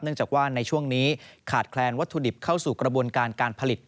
จากว่าในช่วงนี้ขาดแคลนวัตถุดิบเข้าสู่กระบวนการการผลิต